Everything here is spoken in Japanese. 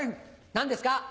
何ですか？